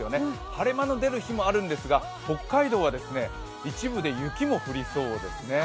晴れ間の出る日もあるんですが北海道では一部で雪も降りそうなんですよね。